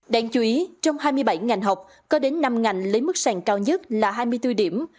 đáng chú ý trong hai mươi bảy ngành học có đến năm ngành lấy mức sàng cao nhất là hai mươi bốn điểm